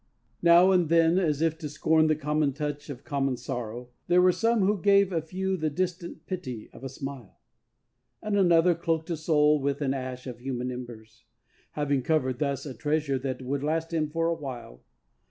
Now and then, as if to scorn the common touch of common sorrow, There were some who gave a few the distant pity of a smile; And another cloaked a soul as with an ash of human embers, Having covered thus a treasure that would last him for a while.